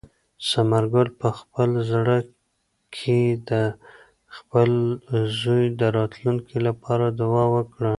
ثمر ګل په خپل زړه کې د خپل زوی د راتلونکي لپاره دعا وکړه.